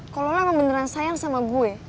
kalau lo emang beneran sayang sama gue